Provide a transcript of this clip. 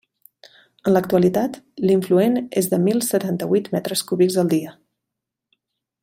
En l'actualitat, l'influent és de mil setanta-huit metres cúbics al dia.